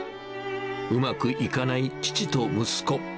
うまくいかない父と息子。